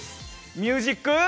ミュージック。